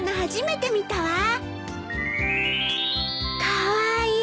カワイイ。